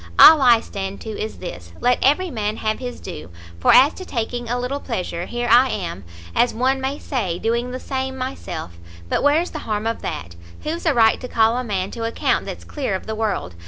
All I stand to is this, let every man have his due; for as to taking a little pleasure, here I am, as one may say, doing the same myself; but where's the harm of that? who's a right to call a man to account that's clear of the world?